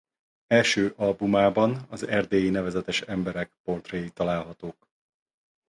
Első albumában az erdélyi nevezetes emberek portréi találhatók.